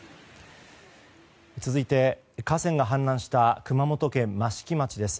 続いて河川が氾濫した熊本県益城町です。